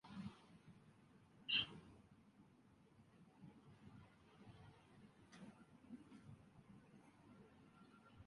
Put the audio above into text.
北海道音更町